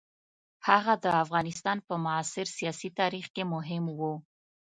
هغه د افغانستان په معاصر سیاسي تاریخ کې مهم وو.